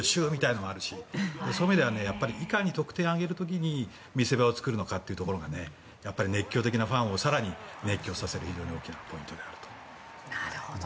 そういう意味ではいかに得点を挙げる時に見せ場を作るのかというのがやっぱり熱狂的なファンを更に熱狂させる非常に大きなポイントであると。